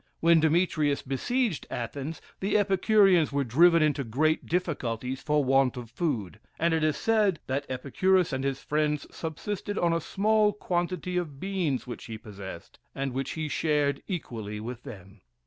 When Demetrius besieged Athens, the Epicureans were driven into great difficulties for want of food; and it is said that Epicurus and his friends subsisted on a small quantity of beans which he possessed, and which he shared equally with them.